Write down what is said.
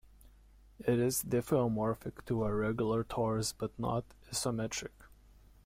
It is diffeomorphic to a regular torus but not isometric.